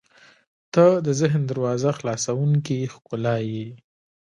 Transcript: • ته د ذهن دروازه خلاصوونکې ښکلا یې.